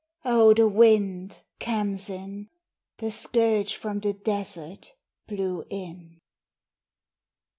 _ Oh the wind, Khamsin, The scourge from the desert, blew in!